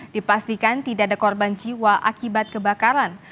dipastikan tidak ada korban jiwa akibat kebakaran